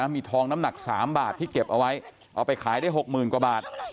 มีทองน้ำหนัก๓บาทที่เก็บเอาไว้เอาไปขายได้๖๐๐๐กว่าบาท